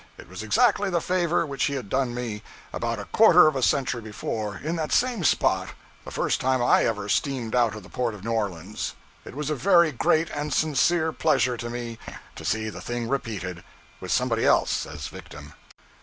It was exactly the favor which he had done me, about a quarter of a century before, in that same spot, the first time I ever steamed out of the port of New Orleans. It was a very great and sincere pleasure to me to see the thing repeated with somebody else as victim.